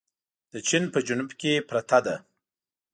د چين په جنوب کې پرته ده.